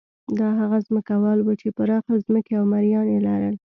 دا هغه ځمکوال وو چې پراخې ځمکې او مریان یې لرل.